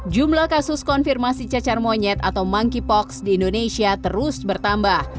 jumlah kasus konfirmasi cacar monyet atau monkeypox di indonesia terus bertambah